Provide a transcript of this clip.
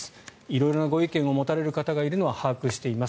色々なご意見を持たれる方がいるのは把握しています